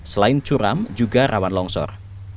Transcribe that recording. selain curam juga rawan longsor